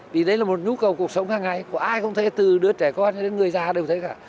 vì đấy là một nhu cầu cuộc sống hàng ngày của ai cũng thế từ đứa trẻ con đến người già đều thế cả